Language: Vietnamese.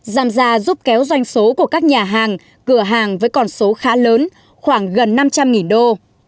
giảm ra giúp kéo doanh số của các nhà hàng cửa hàng với con số khá lớn khoảng gần năm trăm linh đô